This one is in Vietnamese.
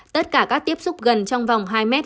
tất cả các tiếp xúc gần trong vòng hai m